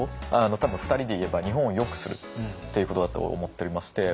多分２人で言えば日本をよくするっていうことだと思っておりまして。